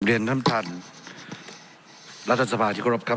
วนเรียนท่านท่านรัฐศพาที่ขอรับครับ